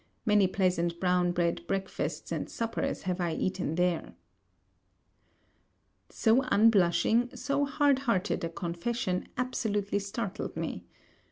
Many pleasant brown bread breakfasts and suppers have I eaten there.' So unblushing, so hard hearted a confession absolutely startled me.